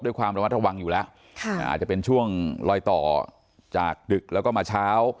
ด้วยความระมัดระวังอยู่แล้วอาจจะเป็นช่วงลอยต่อจากดึกแล้วก็มาเช้า